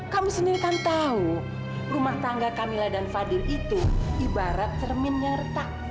kamu sendiri kan tahu rumah tangga kamila dan fadil itu ibarat cermin yang retak